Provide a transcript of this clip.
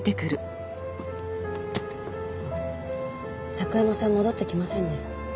佐久山さん戻ってきませんね。